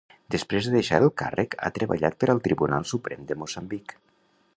Després de deixar el càrrec ha treballat per al Tribunal Suprem de Moçambic.